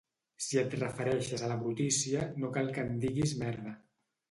Si et refereixes a brutícia, no cal que en diguis merda.